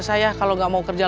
jadi kamu kamu harus terus itu